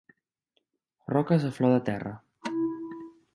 Roques a flor de terra.